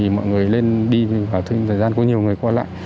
mọi người lên đi vào thời gian có nhiều người qua lại